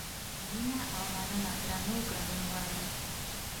مینه او مننه درنو ګډونوالو.